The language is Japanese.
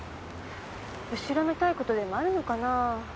後ろめたいことでもあるのかなぁ？